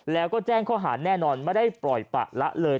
แล้วก็แจ้งข้อหาแน่นอนไม่ได้ปล่อยปะละเลย